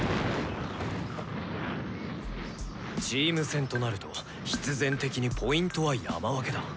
チーム戦となると必然的にＰは「山分け」だ。